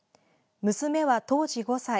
娘は当時５歳。